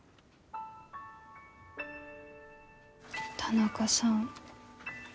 田中さん